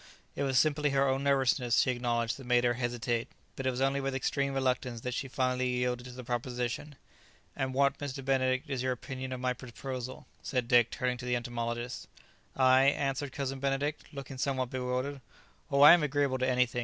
It was simply her own nervousness, she acknowledged, that made her hesitate; but it was only with extreme reluctance that she finally yielded to the proposition. "And what, Mr. Benedict, is your opinion of my proposal?" said Dick, turning to the entomologist. "I?" answered Cousin Benedict, looking somewhat bewildered, "Oh, I am agreeable to anything.